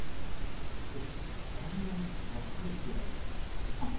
あんまりたっぷりつけないで下さい。